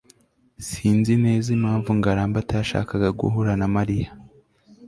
sinzi neza impamvu ngarambe atashakaga guhura na mariya